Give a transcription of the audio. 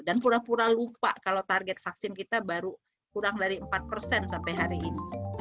dan pura pura lupa kalau target vaksin kita baru kurang dari empat persen sampai hari ini